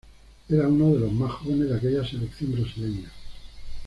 Era uno de los más jóvenes de aquella selección brasileña.